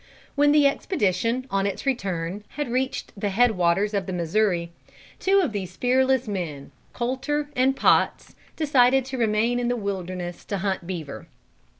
When the expedition, on its return, had reached the head waters of the Missouri, two of these fearless men, Colter and Potts, decided to remain in the wilderness to hunt beaver.